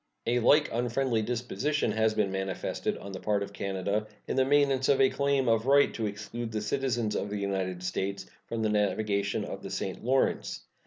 A like unfriendly disposition has been manifested on the part of Canada in the maintenance of a claim of right to exclude the citizens of the United States from the navigation of the St. Lawrence.